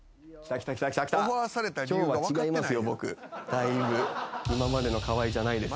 だいぶ。